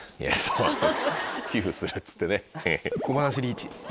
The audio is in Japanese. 寄付するっつってね。